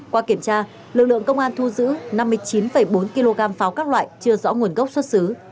qua kiểm tra lực lượng công an thu giữ năm mươi chín bốn kg pháo các loại chưa rõ nguồn gốc xuất xứ